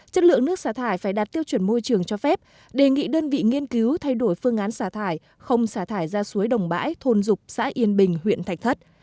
chất lượng nước xả thải phải đạt tiêu chuẩn môi trường cho phép đề nghị đơn vị nghiên cứu thay đổi phương án xả thải không xả thải ra suối đồng bãi thôn dục xã yên bình huyện thạch thất